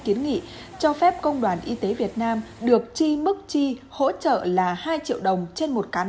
kiến nghị cho phép công đoàn y tế việt nam được chi mức chi hỗ trợ là hai triệu đồng trên một cán